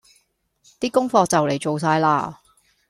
的功課就嚟做晒喇